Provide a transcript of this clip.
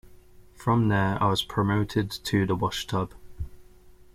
From there I was promoted to the washtub.